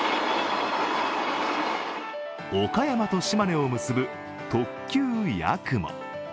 岡山と島根を結ぶ特急やくも。